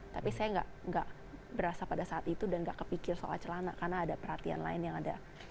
tapi saya nggak berasa pada saat itu dan gak kepikir soal celana karena ada perhatian lain yang ada